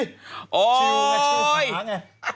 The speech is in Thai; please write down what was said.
ชิวหาใชมด์ทุกคน